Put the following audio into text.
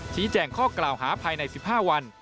แจ้งข้อกล่าวหาภายใน๑๕วัน